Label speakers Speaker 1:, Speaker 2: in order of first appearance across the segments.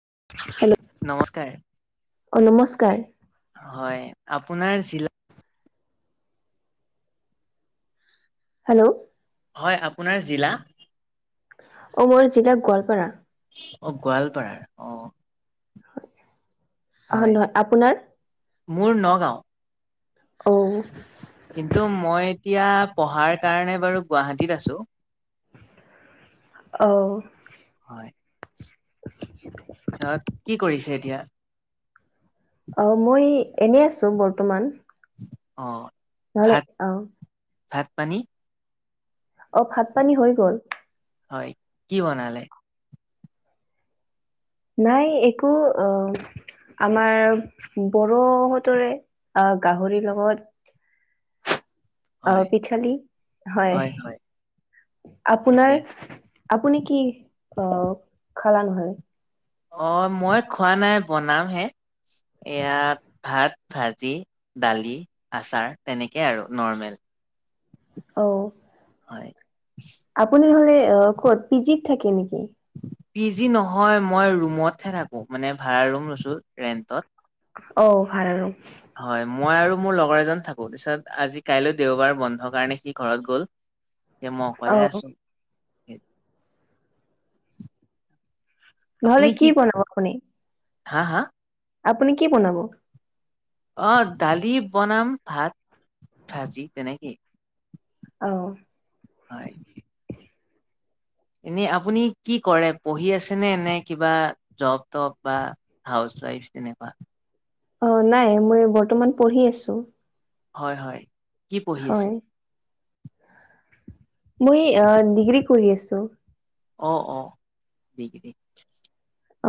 Speaker 1: [inaudible]
Speaker 2: নমস্কাৰ!
Speaker 1: অ নমস্কাৰ!
Speaker 2: হয় আপোনাৰ জিলাত
Speaker 1: হেল্ল'
Speaker 2: হয় আপোনাৰ জিলা?
Speaker 1: অ‌ মোৰ জিলা গোৱালপাৰা।
Speaker 2: অ গোৱালপাৰাৰ অ। হয়
Speaker 1: আপোনাৰ
Speaker 2: মোৰ নগাঁও।
Speaker 1: অ
Speaker 2: কিন্তু মই এতিয়া। পঢ়াৰ কাৰণে বাৰু গুৱাহাটীত আছো।
Speaker 1: আহ।
Speaker 2: হয় কি কৰিছে এতিয়া।
Speaker 1: অ মই এনেই আছো বৰ্তমান।
Speaker 2: অ
Speaker 1: নালে
Speaker 2: ভাত
Speaker 1: অ
Speaker 2: ভাত পানী।
Speaker 1: অ ভাত পানী হৈ গল।
Speaker 2: হয় কি বনালে?
Speaker 1: নাই একো অ। আমাৰ বৰহতৰে, আহ গাহৰি লগত আহ
Speaker 2: হয়
Speaker 1: পিঠালি হয়। আপোনাৰ,
Speaker 2: ঠিকে
Speaker 1: আপুনি কি আহ খালা নহয়।
Speaker 2: অ মই খোৱা নাই বনাম হে। ইয়াত ভাত, ভাজি, দালি, আচাৰ তেনেকেই আৰু নৰ্মেল।
Speaker 1: অ।
Speaker 2: হয়
Speaker 1: আপুনি হলে ক'ত পি জিত থাকে নেকি?
Speaker 2: পি জি নহয় মই ৰুমতহে থাকো, মানে ভাড়া ৰুম লৈছো ৰেন্টত।
Speaker 1: অ ভাৰ ৰ।
Speaker 2: হয় মই আৰু মোৰ লগৰ এজন থাকোঁ তাৰপিছত আজি কাইলৈ দেওবাৰ বন্ধৰ কাৰণে সি ঘৰত গ'ল। এ মই
Speaker 1: অ
Speaker 2: অকলে আছো।
Speaker 1: নহলে কি বনাব খনি।
Speaker 2: হা হা?
Speaker 1: আপুনি কি বনাব?
Speaker 2: অ দালি বনাম, ভাত, ভাজি তেনেকেই।
Speaker 1: আহ।
Speaker 2: হয়। এনে আপুনি কি কৰে পঢ়ি আছেনে, এনে কিবা জব তব বা হাউচ ট্ৰাইবছ তেনেকোৱা।
Speaker 1: অ নাই মই বৰ্তমান পঢ়ি আছো।
Speaker 2: হয় হয়, কি পঢ়ি আছে?
Speaker 1: হয় মই আ ডিগ্ৰী কৰি আছো।
Speaker 2: অ অ ডিগ্ৰী,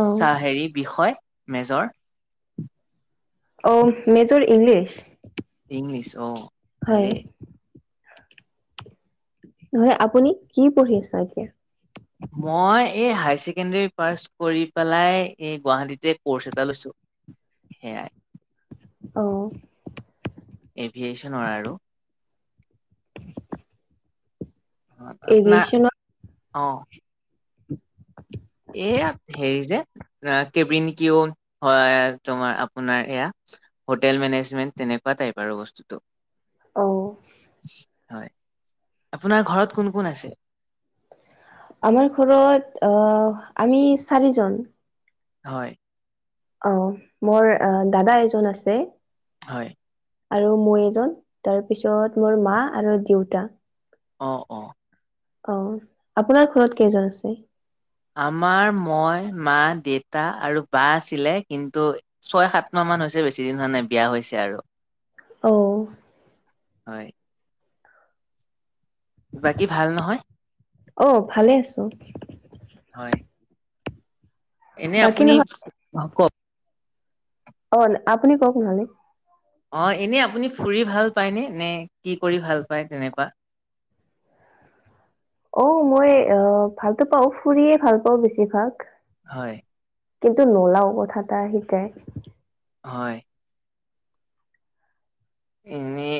Speaker 1: অ
Speaker 2: চা হেৰি বিষয়? মেজৰ?
Speaker 1: অ মেজৰ ইংলিছ।
Speaker 2: ইংলিছ অ।
Speaker 1: হয়।
Speaker 2: ভালেই
Speaker 1: নহলে আপুনি কি পঢ়ি আছ এতিয়া?
Speaker 2: মই এই হাই ছেকেণ্ডাৰী পাছ কৰি পেলাই, এই গুৱাহাটীতে কৰ্চ এটা লৈছো। সেয়াই।
Speaker 1: আহ।
Speaker 2: এভিয়েচনৰ আৰু। আপোনাৰ
Speaker 1: এভিয়েচনত
Speaker 2: অ। এয়া হেৰি যে, আ কেবিন কিও হয় তোমাৰ আপোনাৰ এয়া। হোটেল মেনেজমেন্ট তেনেকুৱা টাইপৰ বস্তুটো।
Speaker 1: আহ।
Speaker 2: হয়, আপোনাৰ ঘৰত কোন কোন আছে?
Speaker 1: আমাৰ ঘৰত আহ আমি চাৰিজন।
Speaker 2: হয়।
Speaker 1: অ, মোৰ দাদা এজন আছে।
Speaker 2: হয়।
Speaker 1: আৰু মই এজন, তাৰপিছত মোৰ মা আৰু দেউতা।
Speaker 2: অ অ
Speaker 1: অ, আপোনাৰ ঘৰত কেইজন আছে?
Speaker 2: আমাৰ মই, মা, দেউতা আৰু বা আছিলে কিন্তু ছয় সাত মাহ মান হৈছে বেছি দিন হোৱা নাই বিয়া হৈছে আৰু।
Speaker 1: অ
Speaker 2: হয়। বাকী ভাল নহয়
Speaker 1: অ ভালে আছো
Speaker 2: হয় এনে
Speaker 1: বাকী
Speaker 2: আপুনি
Speaker 1: নহয়
Speaker 2: কওক
Speaker 1: অ আপুনি কওক নহলে
Speaker 2: অ এনেই আপুনি ফুৰি ভাল পায়নে নে কি কৰি ভাল পায় তেনেকুৱা [inaudible]
Speaker 1: অ মই আহ ভালতো পাওঁ ফুৰিয়ে ভাল পাওঁ বেছিভাগ
Speaker 2: হয়
Speaker 1: কিন্তু নোলাও কথা এটা সিটাই
Speaker 2: হয় এনেই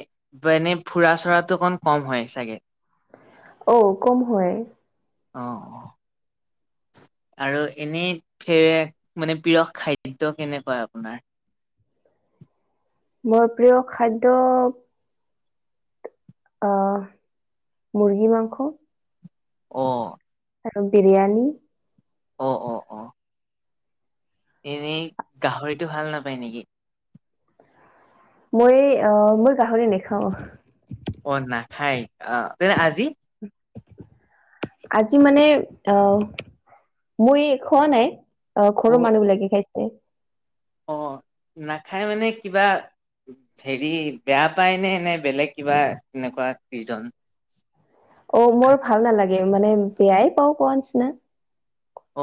Speaker 2: এনেই ফুৰা চৰাতটো অকণ কম হয় চাগে
Speaker 1: অ কম হয়
Speaker 2: অ অ আৰু এনেই ফেৰে মানে প্ৰিয় খাদ্য কেনেকুৱা আপোনাৰ [inaudible]
Speaker 1: মোৰ প্ৰিয় খাদ্য আহ মুৰ্গী মাংস
Speaker 2: অ
Speaker 1: আৰু বিৰিয়ানি
Speaker 2: অ অ অ এনেই গাহৰিটো ভাল নাপায় নেকি
Speaker 1: মই অ মই গাহৰি নেখাওঁ
Speaker 2: অ নাখায় অ তেনে আজি
Speaker 1: আজি মানে আহ মই খোৱা নাই অ ঘৰৰ মানুহবিলাকে খাইছে
Speaker 2: অ নাখাই মানে কিবা হেৰি বেয়া পায় নে এনে বেলেগ কিবা এনেকুৱা ৰিজন
Speaker 1: অ মোৰ ভাল নালাগে মানে বেয়াই পাও পোৱা নিচিনা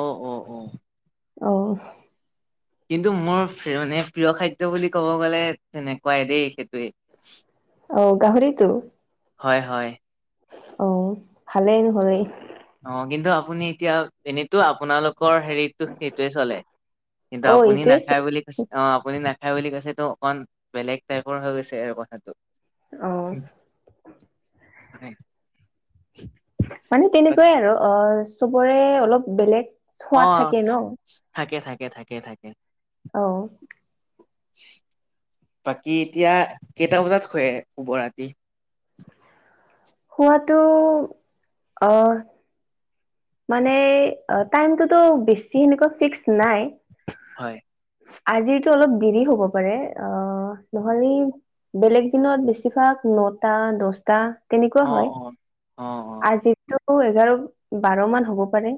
Speaker 2: অ অ অ
Speaker 1: অহ
Speaker 2: কিন্তু মোৰ ফে মানে প্ৰিয় খাদ্য বুলি ক'ব গ'লে তেনেকুৱাই দেই সেইটোৱেই
Speaker 1: অ গাহৰিটো
Speaker 2: হয় হয়
Speaker 1: অ ভালেই নহ'লে
Speaker 2: অ কিন্তু আপুনি এতিয়া এনেতো আপোনালোক লোকৰ হেৰিতো সেইটোয়ে চলে কিন্তু
Speaker 1: অ',
Speaker 2: আপুনি
Speaker 1: এইটোৱে চব
Speaker 2: নাখায় বুলি কৈছে অ আপুনি না খাই বুলি কৈছেতো অকণ বেলেগ টাইপৰ হৈ গৈছে আৰু কথাটো
Speaker 1: অহ
Speaker 2: সেই
Speaker 1: মানে তেনেকুৱাই আৰু অ চবৰে অলপ বেলেগ
Speaker 2: অ
Speaker 1: সোৱাদ থাকে ন
Speaker 2: থাকে থাকে থাকে থাকে
Speaker 1: অ
Speaker 2: [inaudible] বাকী এতিয়া কেইটা, বজাত হয় শুব ৰাতি।
Speaker 1: হোৱাাতটো, আহ। মানে টাইমটোতো বেছি সেনেকুৱা ফিক্স নাই।
Speaker 2: হয়।
Speaker 1: আজিতো অলপ দেৰি হ'ব পাৰে অ নহলে। বেলেগ দিনত বেছিভাগ নটা দহটা। তেনেকুৱা
Speaker 2: অ'
Speaker 1: হয়,
Speaker 2: অ' অ' অ'
Speaker 1: আজিটো এঘাৰ বাৰ মান হ'ব পাৰে।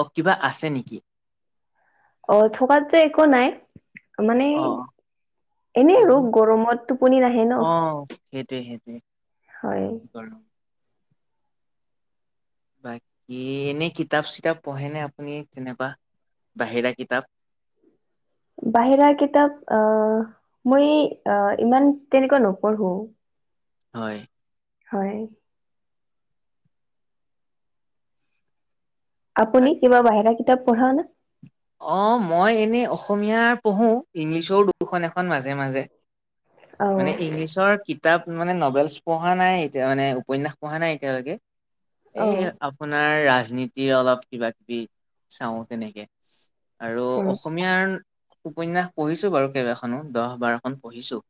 Speaker 2: অ কিবা আছে নেকি?
Speaker 1: অ থকাত যে একো নাই, মানে
Speaker 2: অ' অ'
Speaker 1: এনেই আৰু
Speaker 2: এনে
Speaker 1: গৰমত টোপনি নাহে ন।
Speaker 2: অ' সেইটোৱে সেইটোৱে
Speaker 1: হয়
Speaker 2: গৰম বাকী এনে কিতাপ চিতাপ পঢ়েনে আপুনি তেনেকোৱা। বাহিৰা কিতাপ।
Speaker 1: বাহিৰা কিতাপ অহ, মই অহ ইমান তেনেকোৱা নপঢ়ো।
Speaker 2: হয়।
Speaker 1: হয়। আপুনি কিবা বাহিৰা কিতাপ পঢ়া নে।
Speaker 2: অ মই এনেই অসমীয়াৰ পঢ়ো ইংলিছৰো দুখন এখন মাজে মাজে।
Speaker 1: অ
Speaker 2: মানে ইংলিছৰ কি তাপ মানে নভেলচ পঢ়া নাই এতিয়া মানে উপন্ন্যাস পঢ়া নাই এতিয়ালৈকে
Speaker 1: অ
Speaker 2: এই আপোনাৰ ৰাজনীতিৰ অলপ কিবা কিবি, চাও তেনেকে। আৰু
Speaker 1: অ
Speaker 2: অসমীয়াৰ উপন্যাস পঢ়িছো বাৰু কেইবাখনো দহ বাৰখন পঢ়িছোঁ।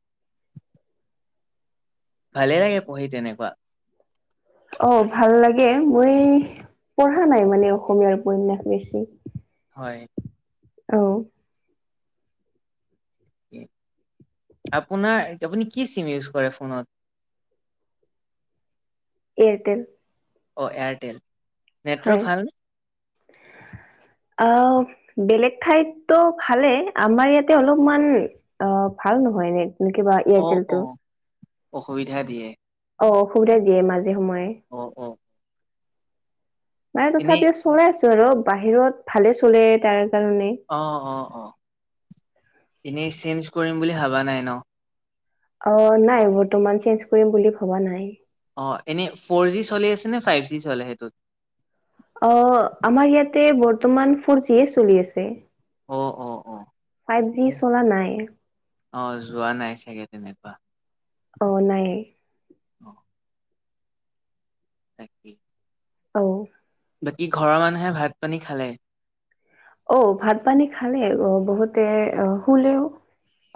Speaker 2: ভালেই লাগে পঢ়ি তেনেকোৱা।
Speaker 1: অ ভাল লাগে মই পঢ়া নাই মানে অসমীয়া উপন্যাস বেছি।
Speaker 2: হয়।
Speaker 1: অ।
Speaker 2: আপোনাৰ আপুনি কি চিম ইউজ কৰে ফোনত [inaudible]
Speaker 1: এয়াৰটেল।
Speaker 2: অ' এয়াৰটেল। নেটৱৰ্ক
Speaker 1: হয়,
Speaker 2: ভালনে?
Speaker 1: আহ। বেলেগ ঠাইতো ভালে আমাৰ ইয়াতে অলপমান, অ ভাল নহয় ৰে নে কিবা
Speaker 2: অ',
Speaker 1: এয়াৰটেল তো।
Speaker 2: অ', অসুবিধা দিয়ে।
Speaker 1: অ অসুবিধা দিয়ে মাজে সময়ে।
Speaker 2: অ', অ',
Speaker 1: মানে
Speaker 2: এনেই
Speaker 1: তথাপিও চলাই আছো আৰু বাহিৰত ভালে চলে তাৰ কাৰণে
Speaker 2: অ অ অ, এনেই চেঞ্জ কৰিম বুলি ভাবা নাই ন।
Speaker 1: অ নাই বৰ্তমান চেঞ্জ কৰিম বুলি ভবা নাই।
Speaker 2: অ এনেই ফৰ জি চলি আছে নে ফাইভ জি চলে সেইটোত।
Speaker 1: অ আমাৰ ইয়াতে বৰ্তমান ফৰ জিয়ে চলি আছে।
Speaker 2: অ', অ', অ',
Speaker 1: ফাইভ জি
Speaker 2: ঠিকে।
Speaker 1: চলা নাই।
Speaker 2: অ যোৱা নাই চাগে তেনেকোৱা।
Speaker 1: অ নাই।
Speaker 2: অ। তাকে।
Speaker 1: অ।
Speaker 2: বাকী ঘৰৰ মানুহে ভাত পানী খালে।
Speaker 1: অ ভাত পানী খালে অ বহুতে অহ শুলেও।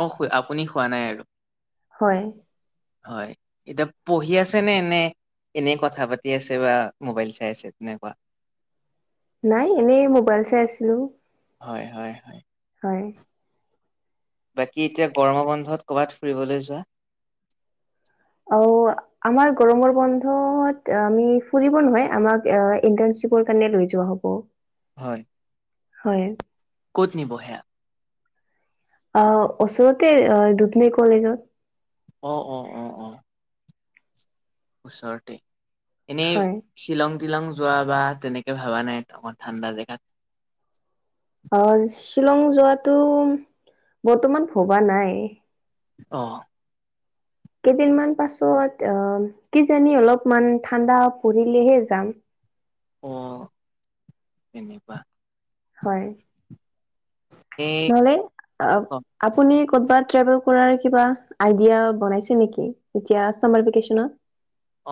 Speaker 2: অ আপুনি শুৱা নাই আৰু
Speaker 1: হয়
Speaker 2: হয় এতিয়া পঢ়ি আছে নে নে এনেই কথা পাতি আছে বা মোবাইল চাই আছে তেনেকোৱা
Speaker 1: নাই এনেই মোবাইল চাই আছিলো
Speaker 2: হয় হয় হয়
Speaker 1: হয়
Speaker 2: বাকী এতিয়া গৰমৰ বন্ধত ক'ৰবাত ফুৰিবলৈ যোৱা
Speaker 1: অ আমাৰ গৰমৰ বন্ধত আমি ফুৰিব নহয় আমাক ইনৰ্টানশ্বিপ- কাৰণে লৈ যোৱা হ'ব।
Speaker 2: হয়
Speaker 1: হয়
Speaker 2: ক'ত নিব সেয়া।
Speaker 1: অ ওচৰতে দুপলি কলেজত।
Speaker 2: অ অ অ অ ওচৰতে এনেই
Speaker 1: হয়
Speaker 2: চিলং- তিলং যোৱা বা তেনেকে ভবা নাই অকমান ঠাণ্ডা জেগাত।
Speaker 1: অ শ্বিলং যোৱাটো বৰ্তমান ভবা নাই।
Speaker 2: অ।
Speaker 1: কেইদিনমান পাছত আহ কিজানি অলপমান ঠাণ্ডা পৰিলেহে যাম।
Speaker 2: অ তেনেকুৱা।
Speaker 1: হয়।
Speaker 2: এই
Speaker 1: নহ'লে আ
Speaker 2: অ',
Speaker 1: আপুনি কৰ'বাত। কিয় বাৰুৰ কৰাৰ কিবা আইদিয়া বনাইছে নেকি? এতিয়া চামাৰ বিকেচনত।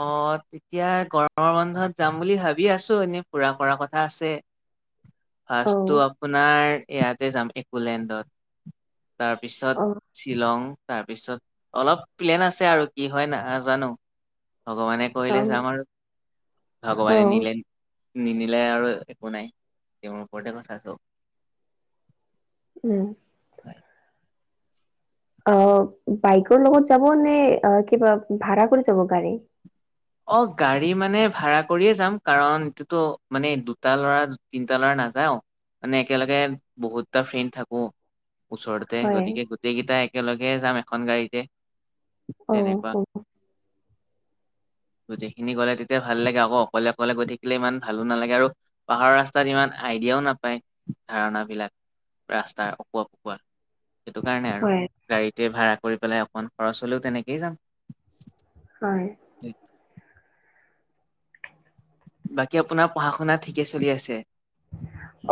Speaker 2: অ তেতিয়া গৰমৰ বন্ধত যাম বুলি ভাবি আছোঁ এনেই ফুৰা কৰা কথা আছে।
Speaker 1: অ
Speaker 2: ফাৰ্ষ্টটো আপোনাৰ ইয়াতে যাম ইকোলেণ্ডত।
Speaker 1: অ
Speaker 2: তাৰপিছত শ্বিলং তাৰপিছত- অলপ প্লেন আছে আৰু কি হয় নাজানোঁ ভগৱানে
Speaker 1: অ
Speaker 2: কৰিলে যাম আৰু।
Speaker 1: অ
Speaker 2: ভগৱানে নিলে। নিনিলে আৰু একো নাই তেওঁৰ ওপৰতে কথা চব।
Speaker 1: উম।
Speaker 2: হয়।
Speaker 1: অ বাইকৰ লগত যাব নে কিবা ভাড়া কৰি যাব গাড়ী।
Speaker 2: অ গাড়ী মানে ভাড়া কৰিয়ে যাম কাৰণ ইটোতো মানে দুটা ল'ৰা তিনটা ল'ৰা না। নাযাওঁ মানে একেলগে বহুত টা ফ্ৰেণ্ড থাকোঁ। ওচৰতে
Speaker 1: হয়
Speaker 2: গতিকে গোটেই কেইটা একেলগে যাম এখন গাড়ীতে
Speaker 1: অ
Speaker 2: তেনেকুৱা
Speaker 1: অ।
Speaker 2: গোটেইখিনি গ'লে তেতিয়া ভাল লাগে আকৌ অকলে অকলে গৈ থাকিলে ইমান ভালো নালাগে আৰু পাহাৰৰ ৰাস্তাত ইমান- আইডিয়াও নাপায় ধাৰণাবিলাক ৰাস্তাৰ অকোৱা পকুৱা। সেইটো কাৰণে আৰু
Speaker 1: হয়
Speaker 2: গাড়ীতে ভাড়া কৰি পেলাই অকমান খৰচ হ'লেও তেনেকেই যাম।
Speaker 1: হয়।
Speaker 2: বাকী আপোনাৰ পঢ়া শুনা ঠিকে চলি আছে?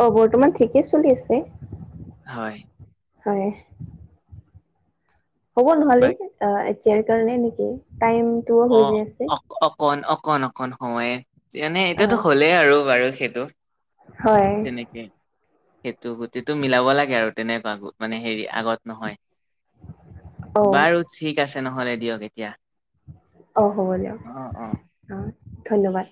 Speaker 1: অ বৰ্তমান ঠিকেই চলি আছে।
Speaker 2: হয়।
Speaker 1: হয়। হ'ব
Speaker 2: বা
Speaker 1: নহ'লে এতিয়াৰ কাৰণে নেকি টাইমটোও
Speaker 2: অ
Speaker 1: হৈ যাই আছে।
Speaker 2: অ অকণ অকণ অকণ সময়ে যেনে এতিয়াতো
Speaker 1: হয়
Speaker 2: হ'লেই আৰু বাৰু সেইটো।
Speaker 1: হয়।
Speaker 2: তেনেকে সেইটো গোটেইটো মিলাব লাগে আৰু তেনেকুৱা মানে হেৰি আগত
Speaker 1: অ
Speaker 2: নহয়। বাৰু ঠিক আছে নহ'লে দিয়ক এতিয়া।
Speaker 1: অ হ'ব দিয়ক অ ধন্যবাদ।